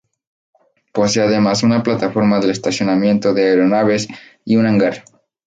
Posee además una plataforma de estacionamiento de aeronaves y un hangar.